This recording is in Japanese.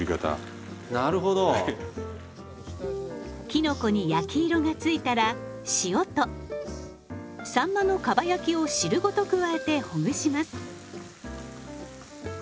きのこに焼き色がついたら塩とさんまのかば焼きを汁ごと加えてほぐします。